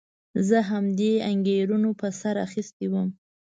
زه همدې انګېرنو په سر اخیستی وم.